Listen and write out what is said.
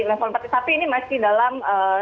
level empat tapi ini masih dalam